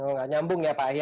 nggak nyambung ya pak akir ya